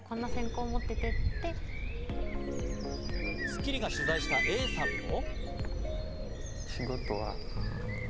『スッキリ』が取材したＡさんも。